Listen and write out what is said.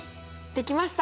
できました！